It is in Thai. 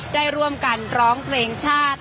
ได้ร่วมกันร้องเพลงชาติ